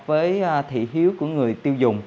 với thị hiếu của người tiêu dùng